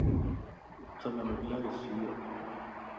اوٿلم الائي سيَ